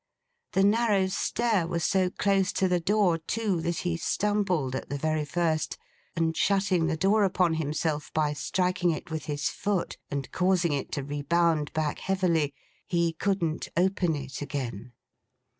The narrow stair was so close to the door, too, that he stumbled at the very first; and shutting the door upon himself, by striking it with his foot, and causing it to rebound back heavily, he couldn't open it again.